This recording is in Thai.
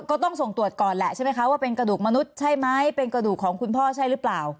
ก็ต้องส่งตรวจก่อนแหละใช่ไหมคะว่าเป็นกระดูกมนุษย์ใช่ไหมเป็นกระดูกของคุณพ่อใช่หรือเปล่า